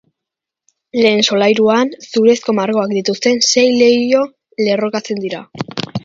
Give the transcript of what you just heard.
Lehen solairuan zurezko markoak dituzten sei leiho lerrokatzen dira.